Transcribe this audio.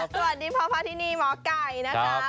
สวัสดีพ่อพาทินีหมอไก่นะคะ